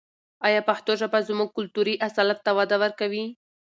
آیا پښتو ژبه زموږ کلتوري اصالت ته وده ورکوي؟